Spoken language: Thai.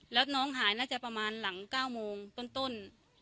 แล้วน้องหายน่าจะประมาณหลัง๙โมงต้น